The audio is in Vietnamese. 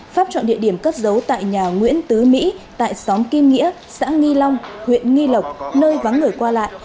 pháp chọn địa điểm cất giấu tại nhà nguyễn tứ mỹ tại xóm kim nghĩa xã nghi long huyện nghi lộc nơi vắng người qua lại